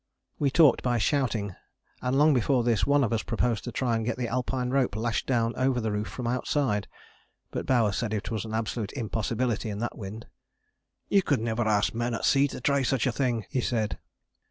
We talked by shouting, and long before this one of us proposed to try and get the Alpine rope lashed down over the roof from outside. But Bowers said it was an absolute impossibility in that wind. "You could never ask men at sea to try such a thing," he said.